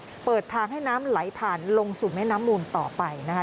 เพื่อเปิดทางให้น้ำไหลผ่านลงสู่แม่น้ำมูลต่อไปนะคะ